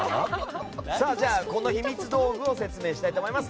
このひみつ道具を説明したいと思います。